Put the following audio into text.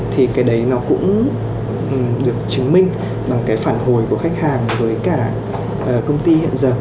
thì cái đấy nó cũng được chứng minh bằng cái phản hồi của khách hàng với cả công ty hiện giờ